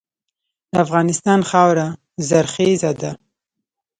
د افغانستان خاوره زرخیزه ده.